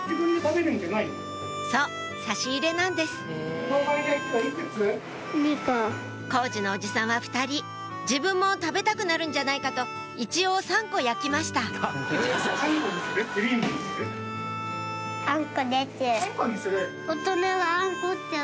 そう差し入れなんです工事のおじさんは２人自分も食べたくなるんじゃないかと一応３個焼きましたあんこにする？